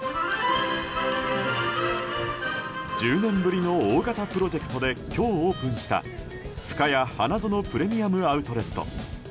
１０年ぶりの大型プロジェクトで今日オープンしたふかや花園プレミアム・アウトレット。